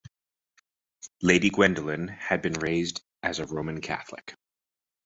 Lady Gwendoline had been raised as a Roman Catholic.